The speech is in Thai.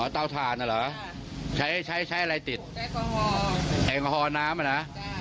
อ๋อจะเจ็บเยอะไหมคนนั้นน่ะ